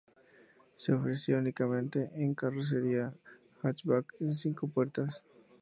Se ofrecía únicamente con carrocería hatchback de cinco puertas.